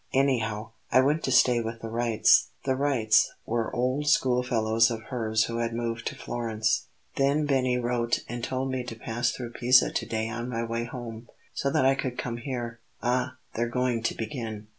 Anyhow, I went to stay with the Wrights." (The Wrights were old schoolfellows of hers who had moved to Florence.) "Then Bini wrote and told me to pass through Pisa to day on my way home, so that I could come here. Ah! they're going to begin."